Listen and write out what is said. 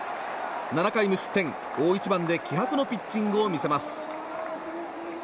７回無失点、大一番で気迫のピッチングを見せます。